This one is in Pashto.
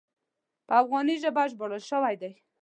په افغاني ژبه ژباړل شوی دی.